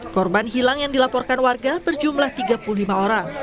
korban hilang yang dilaporkan warga berjumlah tiga puluh lima orang